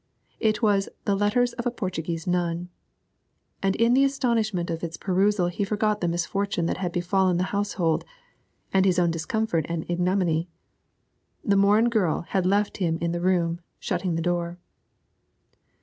It was the Letters of a Portuguese Nun, and in the astonishment of its perusal he forgot the misfortune that had befallen the household, and his own discomfort and ignominy. The Morin girl had left him in the room, shutting the door.